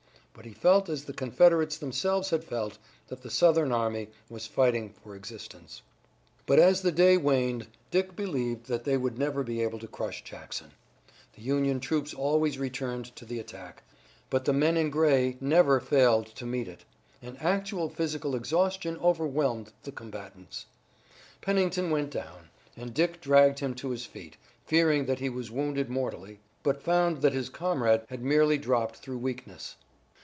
But he felt as the Confederates themselves had felt, that the Southern army was fighting for existence. But as the day waned, Dick believed that they would never be able to crush Jackson. The Union troops always returned to the attack, but the men in gray never failed to meet it, and actual physical exhaustion overwhelmed the combatants. Pennington went down, and Dick dragged him to his feet, fearing that he was wounded mortally, but found that his comrade had merely dropped through weakness.